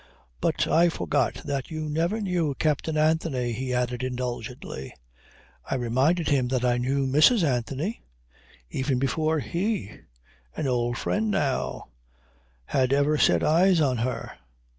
"But I forgot that you never knew Captain Anthony," he added indulgently. I reminded him that I knew Mrs. Anthony; even before he an old friend now had ever set eyes on her.